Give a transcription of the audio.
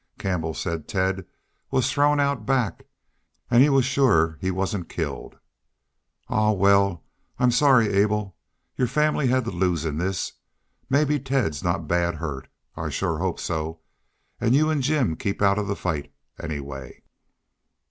Campbell said Ted was thrown out back, an' he was shore he wasn't killed." "Ahuh! Wal, I'm sorry, Abel, your family had to lose in this. Maybe Ted's not bad hurt. I shore hope so.... An' y'u an' Jim keep out of the fight, anyway."